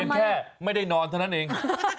แค่ไม่ได้นอนเท่านั้นเอง